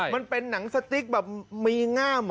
มันเป็นหนังสติ๊กแบบมีง่าม